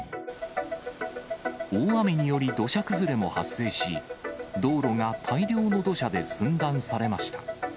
大雨により土砂崩れも発生し、道路が大量の土砂で寸断されました。